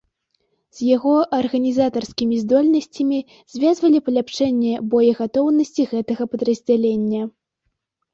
З яго арганізатарскімі здольнасцямі звязвалі паляпшэнне боегатоўнасці гэтага падраздзялення.